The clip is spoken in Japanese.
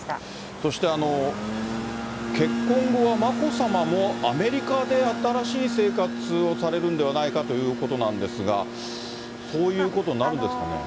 そして結婚後は、眞子さまもアメリカで新しい生活をされるんではないかということなんですが、そういうことになるんですかね。